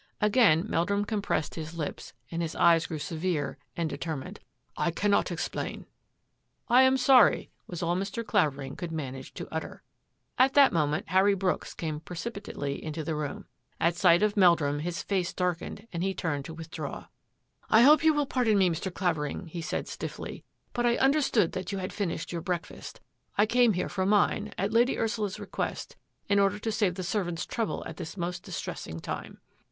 Again Meldrum compressed his lips and his eyes grew severe and determined. " I cannot explain." " I am sorry," was all Mr. Clavering could man age to utter. At that moment Harry Brooks came precipi tately into the room. At sight of Meldrum his face darkei^ed and he turned to withdraw. " I hope you will pardon me, Mr. Clavering," he said stiffly, " but I understood that you had fin ished your breakfast. I came here for mine, at Lady Ursula's request, in order to save the serv ants trouble at this most distressing time."